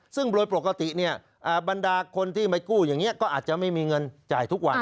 ซึ่งโดยปกติบรรดาคนที่ไม่กู้อย่างนี้ก็อาจจะไม่มีเงินจ่ายทุกวัน